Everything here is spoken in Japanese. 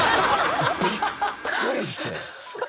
びっくりして。